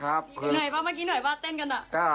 เหนื่อยป่ะเมื่อกี้หน่อยว่าเต้นกัน